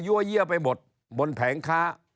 ยั่วเยี่ยวไปหมดบนแผงค้า